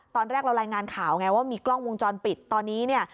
ตอนแรกเรารายงานข่าวไงว่ามีกล้องวงจรปิดตอนนี้เนี่ย